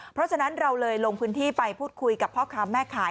เพราะฉะนั้นเราเลยลงพื้นที่ไปพูดคุยกับพ่อค้าแม่ขาย